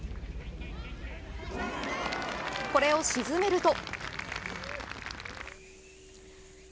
これを沈めると。